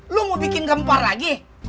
lo mau bikin gempar lagi